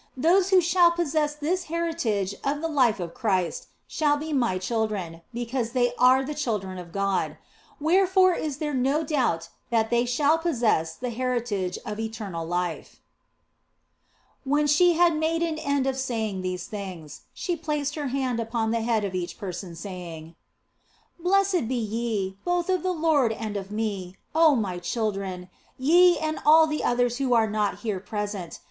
Those who shall possess this heritage of the Life of Christ shall be my children, because they are the children of God ; where fore is there no doubt that they shall possess the heritage of eternal life." s 262 THE BLESSED ANGELA When she had made an end of saying these things, she placed her hand upon the head of each person, saying " Blessed be ye, both of the Lord and of me, oh my children, ye and all the others who are not here present.